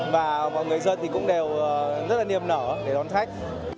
và mọi người dân thì cũng đều rất là niềm nở để đón khách